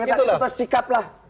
itu sikap lah